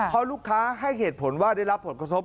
เพราะลูกค้าให้เหตุผลว่าได้รับผลกระทบ